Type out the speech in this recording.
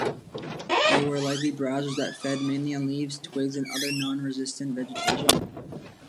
They were likely browsers that fed mainly on leaves, twigs, and other nonresistant vegetation.